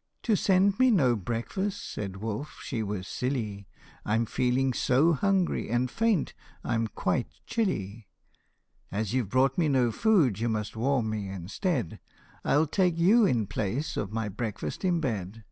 " To send me no breakfast," said wolf, " she was silly ; I 'm feeling so hungry and faint, I 'm quite chilly. As you Ve brought me no food, you must warm me instead ; I '11 take you in place of my breakfast in bed.